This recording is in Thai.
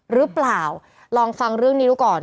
หรือเปล่าลองฟังเรื่องนี้ดูก่อน